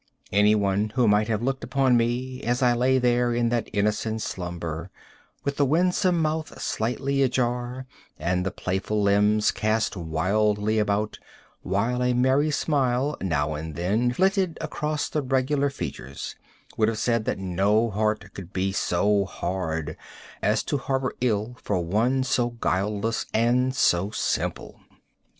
Anyone who might have looked upon me, as I lay there in that innocent slumber, with the winsome mouth slightly ajar and the playful limbs cast wildly about, while a merry smile now and then flitted across the regular features, would have said that no heart could be so hard as to harbor ill for one so guileless and so simple.